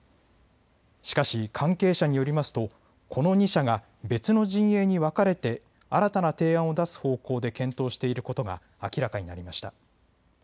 しかし関係者によりますとこの２社が別の陣営に分かれて新たな提案を出す方向で検討していることが明らかになりました。